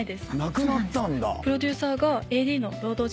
なくなったんだ。